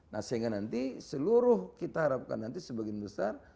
nah sehingga nanti seluruh kita harapkan nanti sebagian besar